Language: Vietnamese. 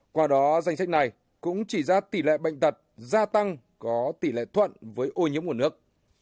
qua đó danh sách này cũng chỉ ra tỷ lệ bệnh tật gia tăng có tỷ lệ thuận với ô nhiễm nguồn nước